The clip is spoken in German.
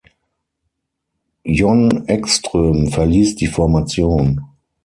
Jon Ekström verließ die Formation.